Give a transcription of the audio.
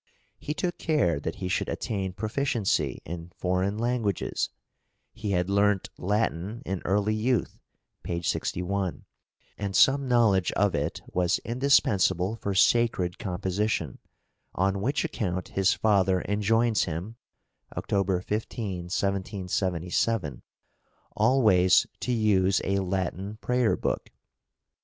He took care that he should attain proficiency in foreign languages; he had learnt Latin in early youth (p. 61), and some knowledge of it was indispensable for sacred composition, on which account his father enjoins him (October 15, 1777) always to use a Latin prayer book.